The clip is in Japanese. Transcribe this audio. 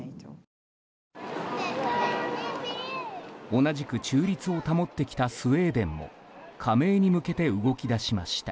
同じく中立を保ってきたスウェーデンも加盟に向けて動き出しました。